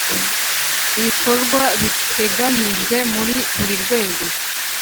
ibikorwa biteganyijwe muri buri rwego.